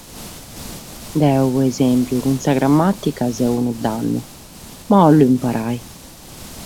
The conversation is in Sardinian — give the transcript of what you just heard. Deo, pro esempru, cun sa grammàtica so unu dannu, ma bolu imparare!